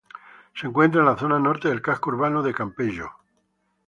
Se encuentra en la zona norte del casco urbano de Campello.